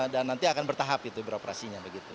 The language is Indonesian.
dan nanti akan bertahap itu beroperasinya begitu